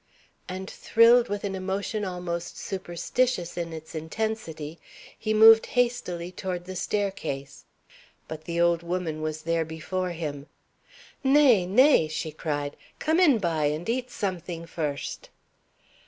And, thrilled with an emotion almost superstitious in its intensity, he moved hastily toward the staircase. But the old woman was there before him. "Na! Na!" she cried. "Come in by and eat something first."